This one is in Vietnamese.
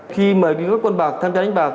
khi mời các con bạc tham gia đánh bạc